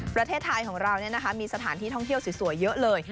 ประเทศไทยของเรามีสถานที่ท่องเที่ยวสวยเยอะเลย